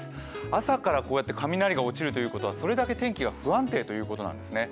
朝からこうやって雷が落ちるということは、それだけ大気が不安定ということなんですね。